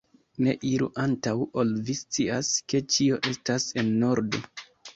Ne iru, antaŭ ol vi scias, ke ĉio estas en ordo!